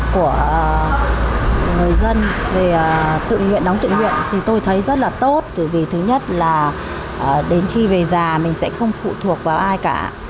của người dân về tự nguyện đóng tự nguyện thì tôi thấy rất là tốt bởi vì thứ nhất là đến khi về già mình sẽ không phụ thuộc vào ai cả